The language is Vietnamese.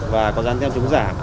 và có gian theo chống giả